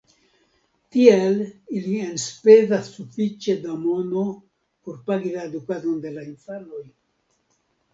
Tiel ili enspezas sufiĉe da mono por pagi la edukadon de la infanoj.